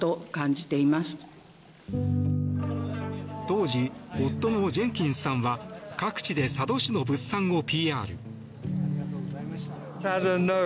当時、夫のジェンキンスさんは各地で佐渡市の物産をＰＲ。